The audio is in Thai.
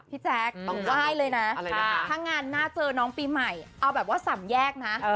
แจ๊คต้องไหว้เลยนะถ้างานหน้าเจอน้องปีใหม่เอาแบบว่าสำแยกนะ